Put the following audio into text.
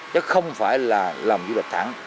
chắc không phải là làm du lịch thẳng